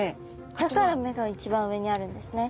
だから目が一番上にあるんですね。